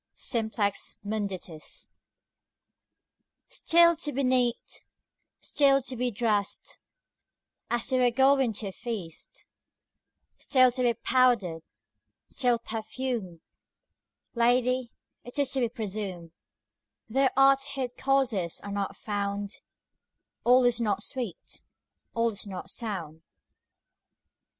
Simplex Munditiis STILL to be neat, still to be drest, As you were going to a feast; Still to be powder'd, still perfumed: Lady, it is to be presumed, Though art's hid causes are not found, 5 All is not sweet, all is not sound.